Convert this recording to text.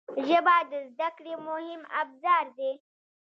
ژبه د زده کړې مهم ابزار دی